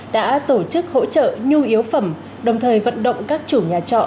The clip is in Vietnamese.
đã tổ chức hỗ trợ nhu yếu phẩm đồng thời vận động các chủ nhà trọ